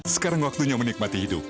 sekarang waktunya menikmati hidup